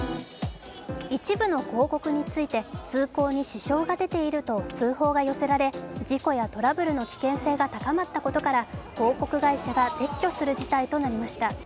一部の広告について通行に支障が出ていると通報が寄せられ、事故やトラブルの危険性が高まったことから広告会社が撤去する事態となりました